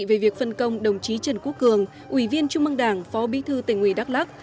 về việc phân công đồng chí trần quốc cường ủy viên trung mương đảng phó bí thư tỉnh ủy đắk lắc